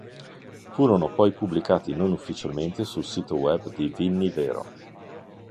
Furono poi pubblicati non-ufficialmente sul sito web di Vinny Vero.